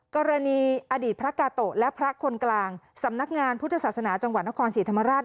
กรณีอดีตพระกาโตะและพระคนกลางสำนักงานพุทธศาสนาจังหวัดนครศรีธรรมราช